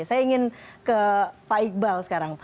saya ingin ke pak iqbal sekarang